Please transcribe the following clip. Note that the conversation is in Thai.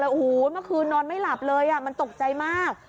โอ้โหเมื่อคืนนอนไม่หลับเลยมันตกใจมาก